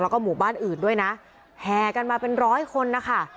แล้วก็หมู่บ้านอื่นด้วยนะแห่กันมาเป็นร้อยคนนะคะ